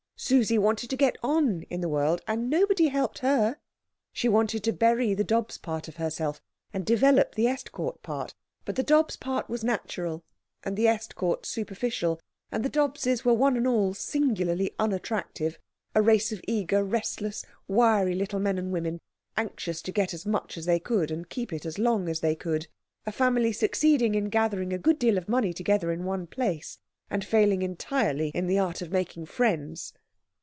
Susie wanted to get on in the world, and nobody helped her. She wanted to bury the Dobbs part of herself, and develop the Estcourt part; but the Dobbs part was natural, and the Estcourt superficial, and the Dobbses were one and all singularly unattractive a race of eager, restless, wiry little men and women, anxious to get as much as they could, and keep it as long as they could, a family succeeding in gathering a good deal of money together in one place, and failing entirely in the art of making friends.